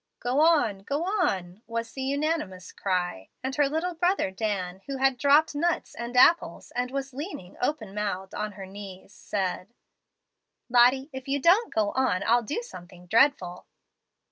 "Go on, go on," was the unanimous cry; and her little brother Dan, who had dropped nuts and apples and was leaning open mouthed on her knees, said, "Lottie, if you don't go on, I'll do something dreadful."